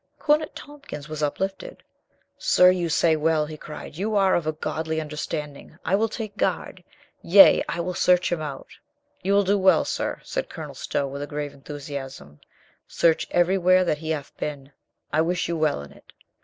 Cornet Tompkins was uplifted. "Sir, you say well!" he cried. "You are of a godly understand ing. I will take guard. Yea, I will search him out." "You will do well, sir," said Colonel Stow with a grave enthusiasm, "Search everywhere that he hath been. I wish you well in it."